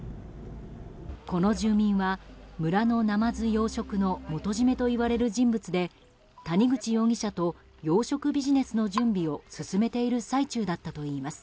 この住民は村のナマズ養殖の元締めといわれる人物で谷口容疑者と養殖ビジネスの準備を進めている最中だったといいます。